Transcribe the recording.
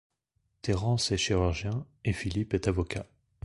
Terrance est chirurgien et Philippe est avocat.